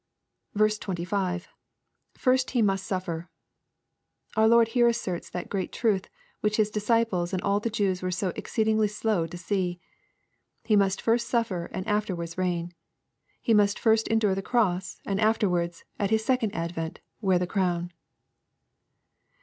25. — [First must he suffer,] Our Lord here asserts that great truth which His disciples and all the Jews were so exceedingly slow to see. He must first suflfer and afterwards reign. He must first endure the cross, and afterwards, at His second advent, wear the crown.